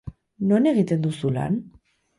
Non egiten duzu lan?